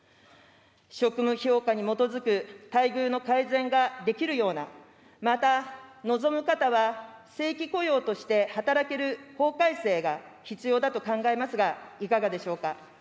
職務評価に基づく待遇の改善ができるような、また、望む方は正規雇用として働ける法改正が必要だと考えますが、いかがでしょうか。